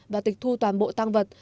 và tịch thu toàn bộ tăng vật